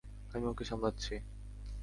আমি ওকে সামলাচ্ছি।